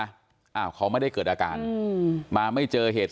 อ้าวเขาไม่ได้เกิดอาการอืมมาไม่เจอเหตุ